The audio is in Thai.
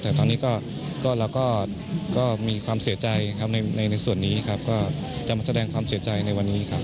แต่ตอนนี้เราก็มีความเสียใจครับในส่วนนี้ครับก็จะมาแสดงความเสียใจในวันนี้ครับ